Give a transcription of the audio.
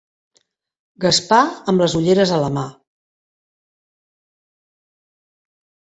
Gaspar amb les ulleres a la mà—.